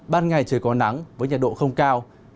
ban ngày trời có nắng với nhiệt độ không cao